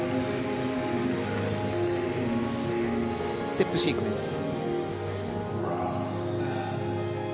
ステップシークエンス。